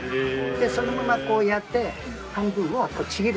そのままこうやって半分をちぎるんですよ。